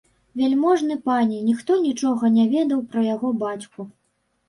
Вяльможны пане, ніхто нічога не ведаў пра яго бацьку.